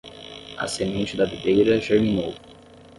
A semente da videira germinou